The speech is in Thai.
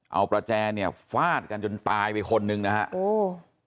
เอาประแจเนี่ยฟาดกันจนตายไปคนหนึ่งนะฮะโอ้